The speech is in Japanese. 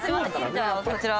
じゃあこちら。